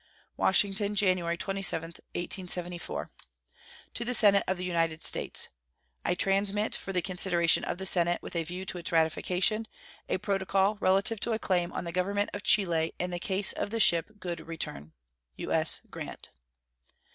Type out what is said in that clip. WASHINGTON, January 27, 1874. To the Senate of the United States: I transmit, for the consideration of the Senate with a view to its ratification, a protocol relative to a claim on the Government of Chile in the case of the ship Good Return. U.S. GRANT.